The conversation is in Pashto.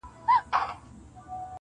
یار به واچوم تارونه نوي نوي و رباب ته-